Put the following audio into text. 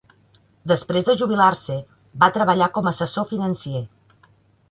Després de jubilar-se, va treballar com a assessor financer.